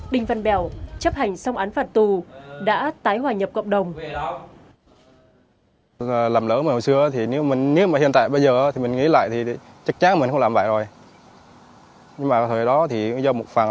đinh văn bèo chấp hành xong án phạt tù đã tái hòa nhập cộng đồng